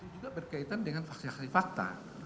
itu juga berkaitan dengan saksi saksi fakta